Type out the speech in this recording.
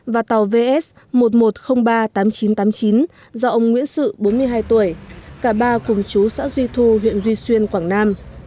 và tàu vs một một không ba tám chín tám chín do ông nguyễn sự bốn mươi hai tuổi cả ba cùng chú xã duy thu huyện duy xuyên quảng nam